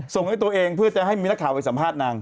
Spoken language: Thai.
ส่งให้ตัวเองเพื่อจะให้มีนักข่าวไปสัมภาษณ์นาง